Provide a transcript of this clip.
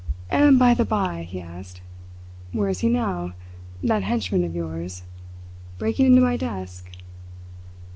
"And by the by," he asked, "where is he now, that henchman of yours? Breaking into my desk?"